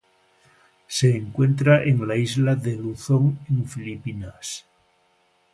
Se encuentra en la isla de Luzón en Filipinas.